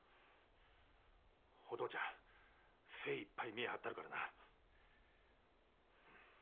お父ちゃん精いっぱい見え張ったるからな。